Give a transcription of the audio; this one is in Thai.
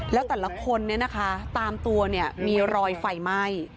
แล้วแต่ละคนเนี่ยนะคะตามตัวเนี่ยมีรอยไฟไหม้